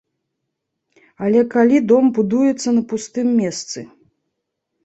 Але калі дом будуецца на пустым месцы?